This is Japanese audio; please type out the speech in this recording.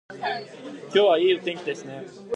今日はいいお天気ですね